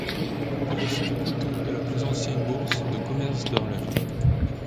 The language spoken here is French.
La bourse du coton est la plus ancienne bourse de commerce dans la ville.